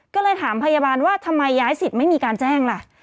ก็เลยถามพยาบาลว่าทำไมย้ายสิทธิ์ไม่มีการแจ้งล่ะ